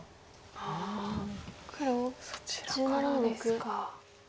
ああそちらからですか。